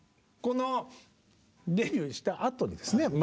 このデビューしたあとですね